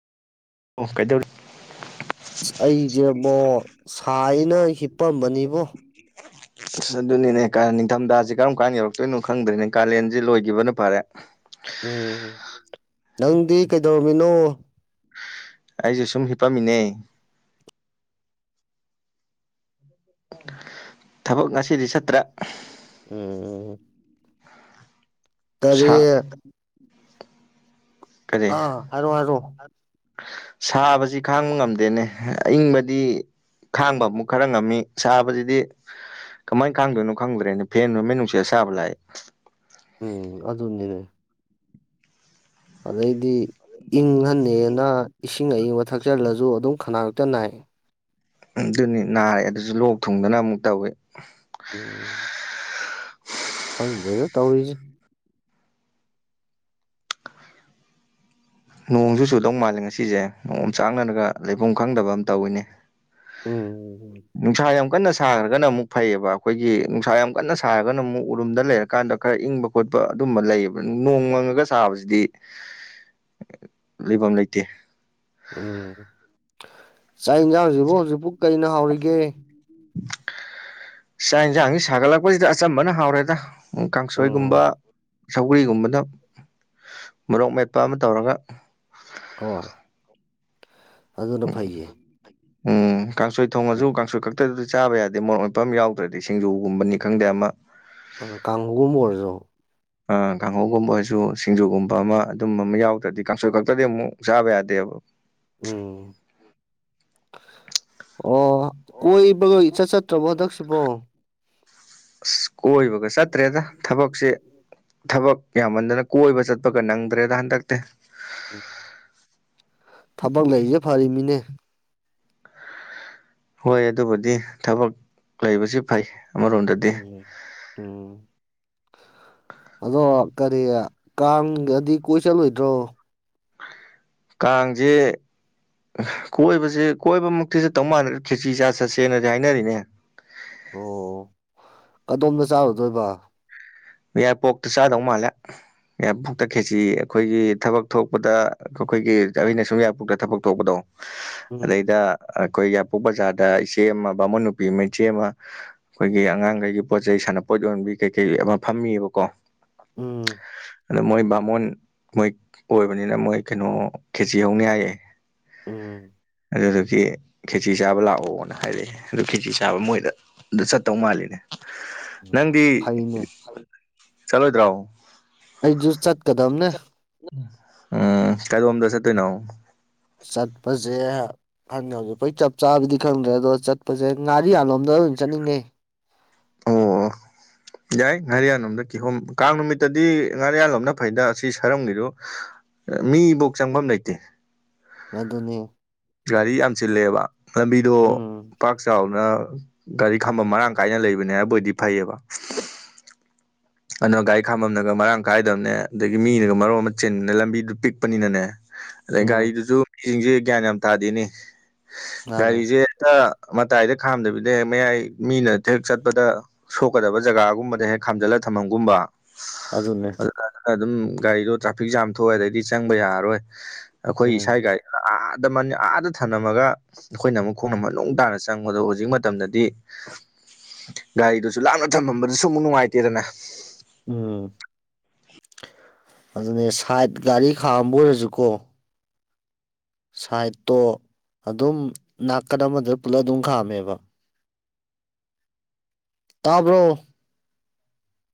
ꯑꯣ ꯀꯩꯗꯧꯔꯤ ꯑꯁ ꯑꯩꯁꯦ ꯑꯕꯣ ꯁꯥꯏꯅ ꯍꯤꯞꯄꯝꯕꯅꯤꯕꯣ [inaudible] ꯑꯁ ꯑꯗꯨꯅꯤꯅꯦ ꯅꯤꯡꯊꯝꯊꯥꯁꯤ ꯀꯔꯝ ꯀꯥꯟꯗ ꯌꯧꯔꯛꯇꯣꯏꯅꯣ ꯈꯪꯗ꯭ꯔꯤꯅꯦ ꯀꯥꯂꯦꯟꯁꯤ ꯂꯣꯏꯈꯤꯕꯅ ꯐꯔꯦ ꯎꯝ ꯅꯪꯗꯤ ꯀꯩꯗꯧꯔꯝꯃꯤꯅꯣ ꯑꯩꯁꯨ ꯁꯨꯝ ꯍꯤꯞꯄꯝꯃꯤꯅꯦ ꯊꯕꯛ ꯉꯁꯤꯗꯤ ꯆꯠꯇ꯭ꯔ‍ꯦ ꯎꯝ ꯀꯔꯤ ꯁꯥꯥ ꯀꯔꯤ ꯑꯥ ꯍꯥꯏꯔꯣ ꯍꯥꯏꯔꯣ ꯁꯥꯕꯁꯤ ꯈꯥꯡꯕ ꯉꯝꯗꯦꯅꯦ ꯑꯏꯪꯕꯗꯤ ꯈꯥꯡꯕ ꯑꯃꯨꯛ ꯈꯔ ꯉꯝꯃꯤ ꯁꯥꯕꯁꯤꯗꯤ ꯀꯃꯥꯏꯅ ꯈꯥꯡꯗꯣꯏꯅꯣ ꯈꯪꯗ꯭ꯔꯦꯅꯦ ꯐꯦꯟ ꯍꯨꯝꯃꯤ ꯅꯨꯡꯁꯤꯠ ꯑꯁꯥꯕ ꯂꯥꯛꯑꯦ ꯎꯝ ꯑꯗꯨꯅꯤꯅꯦ ꯑꯗꯩꯗꯤ ꯏꯪꯍꯟꯅꯦꯅ ꯏꯁꯤꯡ ꯑꯏꯪꯕ ꯊꯛꯆꯜꯂꯁꯨ ꯑꯗꯨꯝ ꯈꯅꯥꯎ ꯍꯦꯛꯇ ꯅꯥꯏ ꯑꯗꯨꯅꯤ ꯅꯥꯔꯦ ꯑꯗꯨꯁꯨ ꯂꯣꯛ ꯊꯨꯡꯗꯅ ꯑꯃꯨꯛ ꯇꯧꯏ ꯎꯝ ꯈꯪꯗ꯭ꯔꯦꯗ ꯇꯧꯔꯤꯁꯦ ꯅꯣꯡꯁꯨ ꯆꯨꯗꯧ ꯃꯥꯜꯂꯦ ꯉꯁꯤꯁꯦ ꯅꯣꯡ ꯑꯣꯝꯆꯥꯡꯅꯔꯒ ꯂꯩꯐꯝ ꯈꯪꯗꯕ ꯑꯃ ꯇꯧꯋꯤꯅꯦ ꯎꯝ ꯅꯨꯡꯁꯥ ꯌꯥꯝ ꯀꯟꯅꯥ ꯁꯥꯈ꯭ꯔꯒꯅ ꯑꯃꯨꯛ ꯐꯩꯌꯦꯕ ꯑꯩꯈꯣꯏꯒꯤ ꯅꯨꯡꯁꯥ ꯌꯥꯝ ꯀꯟꯅ ꯁꯥꯔꯒꯅ ꯑꯃꯨꯛ ꯎꯔꯨꯝꯗ ꯂꯩꯔꯀꯥꯟꯗ ꯈꯔ ꯏꯪꯕ ꯈꯣꯠꯄ ꯑꯗꯨꯝꯕ ꯂꯩꯌꯦꯕ ꯅꯣꯡ ꯃꯪꯉꯒ ꯁꯥꯕꯁꯤꯗꯤ ꯂꯩꯐꯝ ꯂꯩꯇꯦ ꯎꯝ ꯆꯥꯛ ꯌꯦꯟꯁꯥꯡꯁꯤꯕꯨ ꯍꯧꯖꯤꯛꯐꯥꯎ ꯀꯩꯅ ꯍꯥꯎꯔꯤꯒꯦ ꯆꯥꯛ ꯌꯦꯟꯁꯥꯡꯁꯤ ꯁꯥꯒꯠꯂꯛꯄꯁꯤꯗ ꯑꯆꯝꯕꯅ ꯍꯥꯎꯔꯦꯗ ꯀꯥꯡꯁꯣꯏꯒꯨꯝꯕ ꯎꯝ ꯁꯧꯒꯔꯤꯒꯨꯝꯕꯅ ꯃꯣꯔꯣꯛ ꯃꯦꯠꯄ ꯑꯃ ꯇꯧꯔꯒ ꯍꯣꯏ ꯑꯗꯨꯅ ꯐꯩꯌꯦ ꯎꯝ ꯀꯥꯡꯁꯣꯏ ꯊꯣꯡꯉꯁꯨ ꯀꯥꯡꯁꯣꯏ ꯈꯛꯇꯗꯁꯨ ꯆꯥꯕ ꯌꯥꯗꯦ ꯃꯔꯣꯛ ꯃꯦꯠꯄ ꯑꯃ ꯌꯥꯎꯗ꯭ꯔꯗꯤ ꯁꯤꯡꯖꯨꯒꯨꯝꯕꯅꯤ ꯈꯪꯗꯦ ꯑꯃ ꯑ ꯀꯥꯡꯍꯧꯒꯨꯝꯕ ꯑꯣꯏꯔꯁꯨ ꯑ ꯀꯥꯡꯍꯧꯒꯨꯝꯕ ꯑꯣꯏꯁꯨ ꯁꯤꯡꯖꯨꯒꯨꯝꯕ ꯑꯃ ꯑꯗꯨꯝꯕ ꯑꯃ ꯌꯥꯎꯗ꯭ꯔꯗꯤ ꯀꯥꯡꯁꯣꯏ ꯈꯛꯇꯗꯤ ꯑꯃꯨꯛ ꯆꯥꯕ ꯌꯥꯗꯦꯕ ꯎꯝ ꯑꯣ ꯀꯣꯏꯕꯒ ꯏꯆꯠ ꯆꯠꯇ꯭ꯔꯕꯣ ꯍꯟꯗꯛꯁꯤꯕꯣ ꯑꯁ ꯀꯣꯏꯕꯒ ꯆꯠꯇ꯭ꯔꯦꯗ ꯊꯕꯛꯁꯦ ꯊꯕꯛ ꯌꯥꯝꯃꯟꯗꯅ ꯀꯣꯏꯕ ꯆꯠꯄꯒ ꯅꯪꯗ꯭ꯔꯦꯗ ꯍꯟꯗꯛꯇꯤ ꯊꯕꯛ ꯂꯩꯔꯤꯁꯦ ꯐꯔꯤꯃꯤꯅꯦ ꯍꯣꯏ ꯑꯗꯨꯕꯨꯗꯤ ꯊꯕꯛ ꯂꯩꯕꯁꯤ ꯐꯩ ꯑꯃꯔꯣꯝꯗꯗꯤ ꯎꯝ ꯎꯝ ꯑꯗꯣ ꯀꯔꯤ ꯀꯥꯡꯗꯗꯤ ꯀꯣꯏ ꯆꯠꯂꯣꯏꯗ꯭ꯔꯣ ꯀꯥꯡꯁꯦ ꯑꯥ ꯀꯣꯏꯕꯁꯦ ꯀꯣꯏꯕꯥꯃꯛꯇꯤ ꯆꯠꯇꯧ ꯃꯥꯟꯗ꯭ꯔꯦ ꯈꯦꯆꯤ ꯆꯥ ꯆꯠꯁꯦꯅꯗꯤ ꯍꯥꯏꯅꯔꯤꯅꯦ ꯑꯣ ꯀꯗꯣꯝꯗ ꯆꯥꯔꯨꯗꯣꯏꯕ ꯌꯥꯏꯄꯣꯛꯇ ꯆꯥꯗꯧ ꯃꯥꯜꯂꯦ ꯌꯥꯏꯄꯣꯛꯇ ꯈꯦꯆꯤ ꯑꯩꯈꯣꯏꯒꯤ ꯊꯕꯛ ꯊꯣꯛꯄꯗ ꯑꯩꯈꯣꯏꯒꯤ ꯑꯩꯅ ꯁꯨꯝ ꯌꯥꯏꯄꯣꯛꯇ ꯊꯕꯛ ꯊꯣꯛꯄꯗꯣ ꯎꯝ ꯑꯗꯩꯗ ꯑꯩꯈꯣꯏ ꯌꯥꯏꯄꯣꯛ ꯕꯖꯥꯔꯗ ꯏꯆꯦ ꯑꯃ ꯕꯥꯃꯣꯟ ꯅꯨꯨꯄꯤ ꯑꯃ ꯏꯆꯦ ꯑꯃ ꯑꯩꯈꯣꯏꯒꯤ ꯑꯉꯥꯡꯈꯩꯒꯤ ꯄꯣꯠ ꯆꯩꯩ ꯁꯥꯟꯅꯄꯣꯠ ꯌꯣꯟꯕꯤ ꯀꯩꯀꯩ ꯑꯃ ꯐꯝꯃꯤꯕꯀꯣ ꯎꯝ ꯑꯗ ꯃꯣꯏ ꯕꯥꯃꯣꯟ ꯃꯣꯏ ꯑꯣꯏꯕꯅꯤꯅ ꯃꯣꯏ ꯀꯩꯅꯣ ꯈꯦꯆꯤ ꯍꯧꯅꯤ ꯍꯥꯏꯌꯦ ꯎꯝ ꯑꯗꯨꯗꯨꯒꯤ ꯈꯦꯆꯤ ꯆꯥꯕ ꯂꯥꯛꯑꯣꯅ ꯍꯥꯏꯔꯛꯑꯦ ꯑꯗꯨ ꯈꯦꯆꯤ ꯆꯥꯕ ꯃꯣꯏꯗ ꯗꯨ ꯆꯠꯇꯧ ꯃꯥꯜꯂꯤꯅꯦ ꯅꯪꯗꯤ ꯐꯩꯅꯦ ꯆꯠꯂꯣꯏꯗ꯭ꯔꯣ ꯑꯩꯁꯨ ꯆꯠꯀꯥꯗꯝꯅꯦ ꯎꯝ ꯀꯗꯣꯝꯗ ꯆꯠꯇꯣꯏꯅꯣ ꯆꯠꯄꯁꯦ [unintelligible] ꯆꯞ ꯆꯥꯕꯗꯤ ꯈꯪꯗ꯭ꯔꯦ ꯑꯗꯣ ꯆꯠꯄꯁꯦ ꯉꯥꯔꯤꯌꯥꯜꯂꯣꯝꯗ ꯑꯣꯏ ꯆꯠꯅꯤꯡꯉꯦ ꯑꯣ ꯑꯣ ꯌꯥꯏ ꯉꯥꯔꯤꯌꯥꯟꯂꯣꯝꯗ ꯀꯤꯍꯣꯝ ꯀꯥꯡ ꯅꯨꯃꯤꯠꯇꯗꯤ ꯉꯥꯔꯤꯌꯥꯂꯣꯝꯅ ꯐꯩꯗ ꯑꯁꯤ ꯁꯥꯔꯝꯒꯤꯗꯣ ꯃꯤꯐꯧ ꯆꯪꯕꯝ ꯂꯩꯇꯦ ꯑꯗꯨꯅꯤ ꯒꯥꯔꯤ ꯌꯥꯝ ꯆꯤꯜꯂꯦꯕ ꯂꯝꯕꯤꯗꯣ ꯎꯝ ꯄꯥꯛ ꯆꯥꯎꯅ ꯒꯥꯔꯤ ꯈꯝꯕꯝ ꯃꯔꯥꯡ ꯀꯥꯏꯅ ꯂꯩꯕꯅꯦ ꯍꯥꯏꯕꯣꯏꯗꯤ ꯐꯩꯌꯦꯕꯥ ꯑꯗꯨꯅ ꯒꯥꯔꯤ ꯈꯥꯝꯃꯝꯅꯒ ꯃꯔꯥꯡ ꯀꯥꯏꯗꯝꯅꯦ ꯑꯗꯥꯒꯤ ꯃꯤꯅꯒ ꯃꯔꯣꯟ ꯑꯃ ꯆꯤꯟꯕꯅꯦ ꯂꯝꯕꯤꯗꯨ ꯄꯤꯛꯄꯅꯤꯅꯥꯅꯦ ꯑꯗꯩ ꯎꯝ ꯒꯥꯔꯤꯗꯨꯁꯨ ꯃꯤꯁꯤꯡꯁꯦ ꯒ꯭ꯌꯥꯟ ꯌꯥꯝ ꯇꯥꯗꯦꯅꯤ ꯃꯥꯅꯦ ꯒꯥꯔꯤꯁꯦ ꯍꯦꯛꯇꯥ ꯃꯇꯥꯏꯗ ꯈꯥꯝꯗꯕꯤꯗ ꯍꯦꯛ ꯃꯌꯥꯏ ꯃꯤꯅ ꯍꯦꯛ ꯆꯠꯄꯗ ꯁꯣꯛꯀꯗꯕ ꯖꯒꯥꯒꯨꯝꯕꯗ ꯍꯦꯛ ꯈꯥꯝꯖꯤꯜꯂꯒ ꯊꯝꯃꯝꯒꯨꯝꯕ ꯑꯗꯨꯅꯦ ꯈꯔꯥꯗꯨꯝ ꯒꯥꯔꯤꯗꯣ ꯇ꯭ꯔꯥꯐꯤꯛ ꯖꯥꯝ ꯊꯣꯛꯑꯦ ꯑꯗꯩꯗꯤ ꯆꯪꯕ ꯌꯥꯔꯔꯣꯏ ꯑꯩꯈꯣꯏ ꯎꯝ ꯏꯁꯥꯒꯤ ꯒꯥꯔꯤ ꯑꯥ- ꯑꯥꯗ ꯊꯝꯂꯝꯃꯒ ꯑꯩꯈꯣꯏꯅ ꯑꯃꯨꯛ ꯈꯣꯡꯅ ꯃꯅꯨꯡ ꯇꯥꯅ ꯆꯪꯕꯗꯣ ꯍꯧꯖꯤꯛ ꯃꯇꯝꯗꯗꯤ ꯒꯥꯔꯤꯗꯨꯁꯨ ꯂꯥꯞꯅ ꯊꯝꯃꯝꯕꯗꯨꯁꯨ ꯑꯃꯨꯛ ꯅꯨꯡꯉꯥꯏꯇꯦꯗꯅ ꯎꯝ ꯑꯗꯨꯅꯦ ꯁꯥꯏꯠ ꯒꯥꯔꯤ ꯈꯥꯝꯕ ꯑꯣꯏꯔꯁꯨꯀꯣ ꯁꯥꯏꯠꯇꯣ ꯑꯗꯨꯝ ꯅꯥꯀꯟ ꯑꯃꯗ ꯄꯨꯜꯂꯞ ꯑꯗꯨꯝ ꯈꯥꯝꯃꯦꯕ ꯇꯥꯕ꯭ꯔꯣ